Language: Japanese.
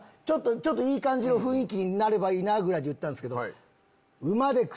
いい感じの雰囲気になればいいなぐらいで言ったんですけど。